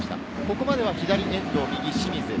ここまで左・遠藤、右・清水。